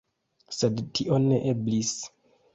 Sed tio ne eblis.